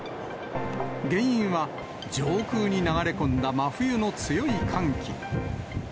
原因は、上空に流れ込んだ真冬の強い寒気。